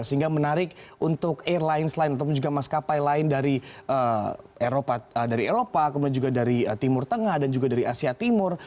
sehingga menarik untuk airlines lain ataupun juga maskapai lain dari eropa kemudian juga dari timur tengah dan juga dari asia timur